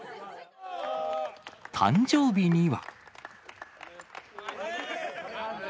誕生日には。